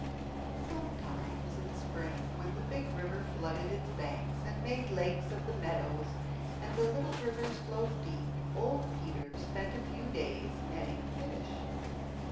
Sometimes in spring, when the big river flooded its banks and made lakes of the meadows, and the little rivers flowed deep, old Peter spent a few days netting fish.